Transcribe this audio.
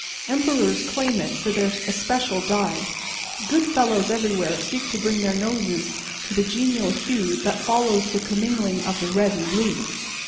Emperors claim it for their especial dye. Good fellows everywhere seek to bring their noses to the genial hue that follows the commingling of the red and blue.